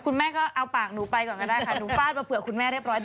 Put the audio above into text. คุณแม่ก็เอาปากหนูไปก่อนก็ได้ค่ะหนูฟาดมาเผื่อคุณแม่เรียบร้อย